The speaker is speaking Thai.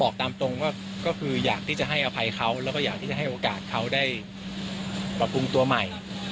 คืออยากให้อภัยเขาและอยากให้โอกาสเขาได้ปรับปรุงตัวใหม่